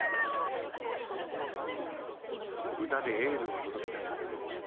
「歌でエールを届けたい」。